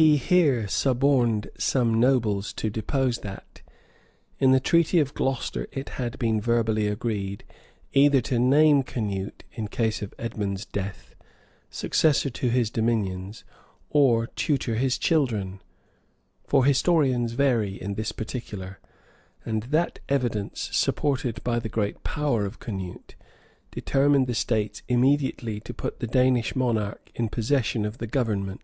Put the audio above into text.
He here suborned some nobles to depose that, in the treaty of Glocester it had been verbally agreed, either to name Canute, in case of Edmond's death, successor to his dominions, or tutor to hit children, (for historians vary in this particular;) and that evidence, supported by the great power of Canute, determined the states immediately to put the Danish monarch in possession of the government.